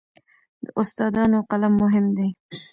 د استادانو قلم مهم دی.